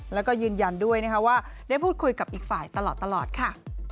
แล้วก็ยืนยันด้วยนะคะว่าได้พูดคุยกับอีกฝ่ายตลอดค่ะ